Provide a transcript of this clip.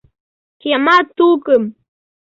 Киямат тукым!